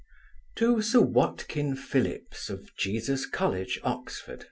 To Sir WATKIN PHILLIPS, of Jesus college, Oxon.